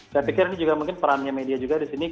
saya pikir ini juga mungkin perannya media juga di sini